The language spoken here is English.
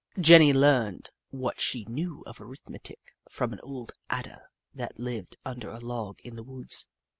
Jenny learned what she knew of arithmetic from an old Adder that lived under a log in the woods.